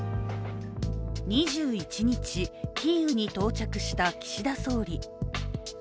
２１日、キーウに到着した岸田総理。